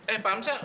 eh pak hamzah